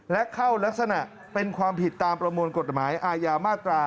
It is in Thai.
และเข้ารักษณะเป็นความผิดตามประมวลกฎหมายอาญามาตรา